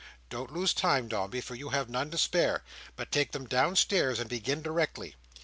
Don't lose time, Dombey, for you have none to spare, but take them downstairs, and begin directly."